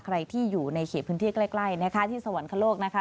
ใครที่อยู่ในเขตพื้นที่ใกล้นะคะที่สวรรคโลกนะคะ